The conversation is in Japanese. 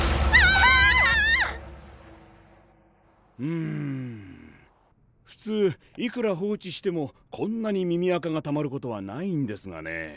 うむふつういくら放置してもこんなに耳あかがたまることはないんですがね。